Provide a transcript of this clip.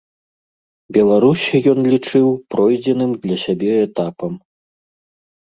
Беларусь ён лічыў пройдзеным для сябе этапам.